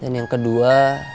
dan yang kedua